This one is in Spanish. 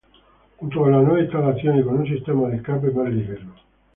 Junto con la nueva instalación, y con un sistema de escape más ligero.